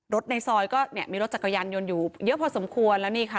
ในซอยก็เนี่ยมีรถจักรยานยนต์อยู่เยอะพอสมควรแล้วนี่ค่ะ